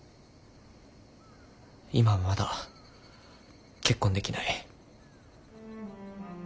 今はまだ結婚できない。